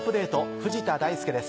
藤田大介です。